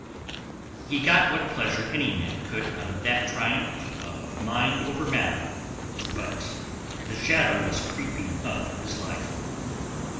He got what pleasure any man could out of that triumph of mind over matter, but the shadow was creeping up his life.